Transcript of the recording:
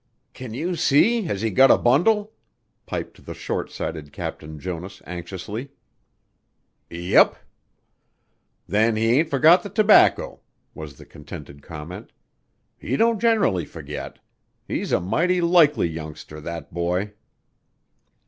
"Can you see has he got a bundle?" piped the short sighted Captain Jonas anxiously. "Yep!" "Then he ain't forgot the tobacco," was the contented comment. "He don't generally forget. He's a mighty likely youngster, that boy!"